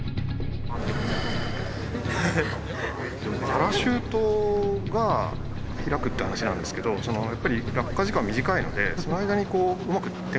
パラシュートが開くって話なんですけどやっぱり落下時間短いのでその間にうまく展開できるか。